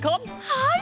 はい！